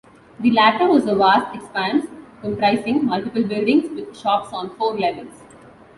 The latter was a vast expanse, comprising multiple buildings with shops on four levels.